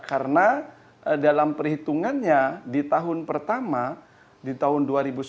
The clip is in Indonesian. karena dalam perhitungannya di tahun pertama di tahun dua ribu sembilan